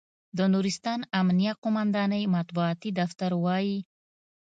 د نورستان امنیه قوماندانۍ مطبوعاتي دفتر وایي،